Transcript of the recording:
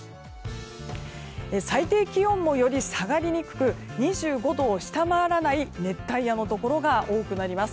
最低気温もより下がりにくく２５度を下回らない熱帯夜のところが多くなります。